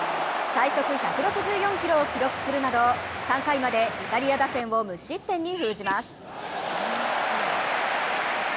最速１６４キロを記録するなど３回までイタリア打線を無失点に封じます。